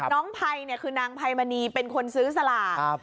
ไพรคือนางไพมณีเป็นคนซื้อสลาก